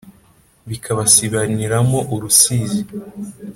bikabasibaniramo urusizi